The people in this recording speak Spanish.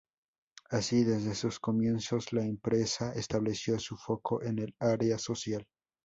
Así, desde sus comienzos, la empresa estableció su foco en el área social.